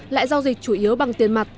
lại giao dịch chủ yếu bằng tiền mặt